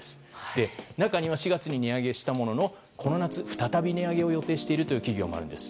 中には４月に値上げしたもののこの夏、再び値上げを予定しているという企業もあります。